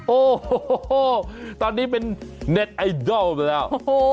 โอ้โหตอนนี้เป็นเน็ตไอดอลไปแล้ว